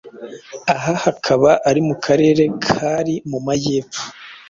aha hakaba ari mu karere kari mu majyepfo